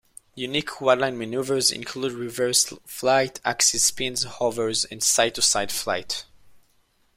Unique quadline maneuvers include reverse flight, axis spins, hovers, and side to side flight.